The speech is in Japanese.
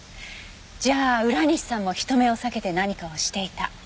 じゃあ浦西さんも人目を避けて何かをしていた。